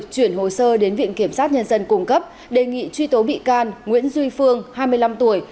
chuyển hồ sơ đến viện kiểm sát nhân dân cung cấp đề nghị truy tố bị can nguyễn duy phương hai mươi năm tuổi